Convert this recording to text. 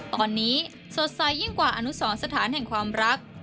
ตอนนี้สดใสยิ่งกว่าอนุสรสถานแห่งความรัก